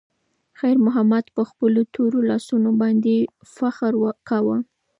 خیر محمد په خپلو تورو لاسونو باندې فخر کاوه.